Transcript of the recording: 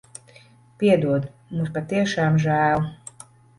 Piedod. Mums patiešām žēl.